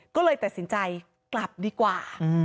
ก็เลยตัดสินใจกลับดีกว่า